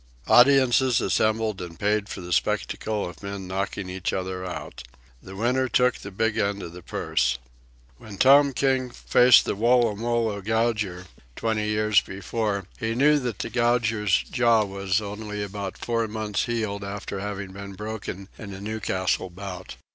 Audiences assembled and paid for the spectacle of men knocking each other out. The winner took the big end of the purse. When Tom King faced the Woolloomoolloo Gouger, twenty years before, he knew that the Gouger's jaw was only four months healed after having been broken in a Newcastle bout.